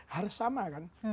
harus sama kan